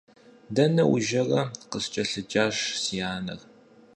Дэнэ ужэрэ? – къыскӀэлъыджащ си анэр.